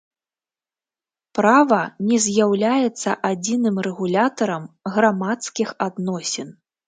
Права не з'яўляецца адзіным рэгулятарам грамадскіх адносін.